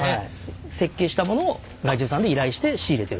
設計したものを外注さんに依頼して仕入れてると。